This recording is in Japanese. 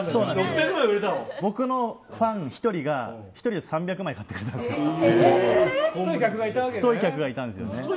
僕のファン１人が１人で３００枚買ってくれたんですよ。